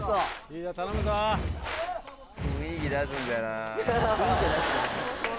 雰囲気出すんだよなあ